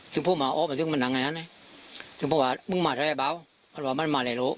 ซึ่งผมอ๋อมาซึ้งมานั่งไอนั้นเนี่ยซึ่งผมบอกว่ามึงมาใช้ไอ้เบาบอกว่ามันมาไหลโหล